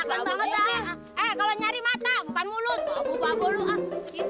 kalau nyari mata mulut mulut